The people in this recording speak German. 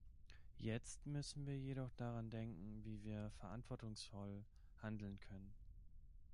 Jetzt müssen wir jedoch daran denken, wie wir verantwortungsvoll handeln können.